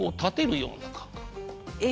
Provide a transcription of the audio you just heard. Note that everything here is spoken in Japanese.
え？